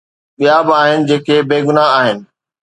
ٻيا به آهن جيڪي بيگناهه آهن.